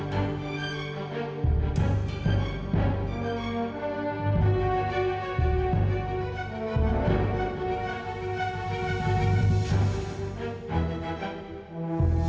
tapi sayang anaknya bapak ibu saya sudah meninggal bu